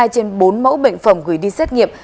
hai trên bốn mẫu bệnh phẩm gửi đi xét nghiệm